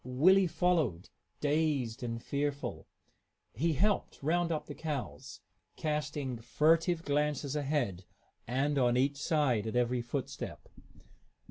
Willie followed, dazed and fearful. He helped round up the cows, casting furtive glances ahead and on each side at every footstep.